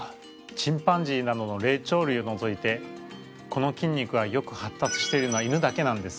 チンパンジーなどの霊長類をのぞいてこの筋肉がよく発達しているのは犬だけなんです。